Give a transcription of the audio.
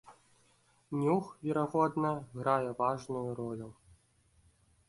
Нюх, верагодна, грае важную ролю.